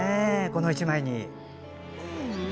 この１枚に。